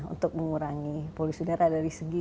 untuk mengurangi polusi udara dari segi